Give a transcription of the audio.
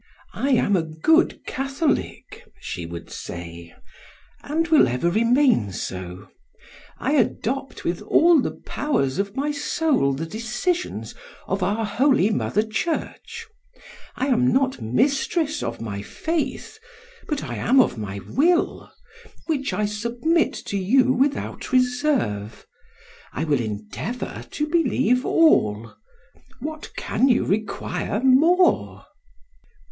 "I am a good Catholic," she would say, "and will ever remain so; I adopt with all the powers of my soul the decisions of our holy Mother Church; I am not mistress of my faith, but I am of my will, which I submit to you without reserve; I will endeavor to believe all, what can you require more?"